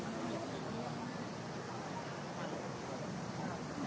โปรดติดตามต่อไป